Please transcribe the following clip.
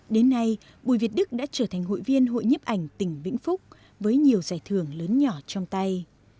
đến nay bùi việt đức đã trở thành hội viên hội nhiếp ảnh tỉnh vĩnh phúc với nhiều giải thưởng lớn nhỏ trong tay